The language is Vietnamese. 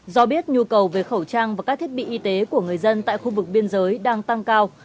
do biết nhu cầu về khẩu trang và các thiết bị y tế của người dân tại khu vực biên giới đang tăng cao